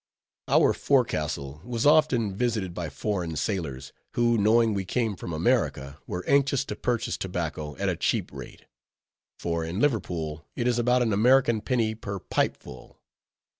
Our forecastle was often visited by foreign sailors, who knowing we came from America, were anxious to purchase tobacco at a cheap rate; for in Liverpool it is about an American penny per pipe full.